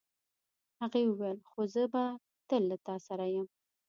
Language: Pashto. هغې وویل خو زه به تل له تا سره یم.